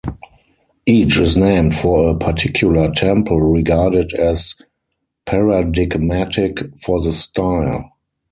Each is named for a particular temple regarded as paradigmatic for the style.